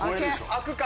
開くか？